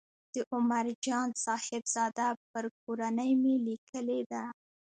د عمر جان صاحبزاده پر کورنۍ مې لیکلې ده.